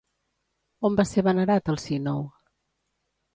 On va ser venerat Alcínou?